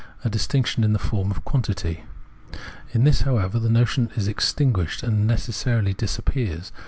a distinction in the form of quantity. In this, however, the notion is extinguished and necessity disappears.